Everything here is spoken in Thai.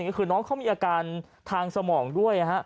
ก็คือน้องเขามีอาการทางสมองด้วย